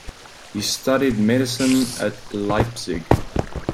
He studied medicine at Leipzig.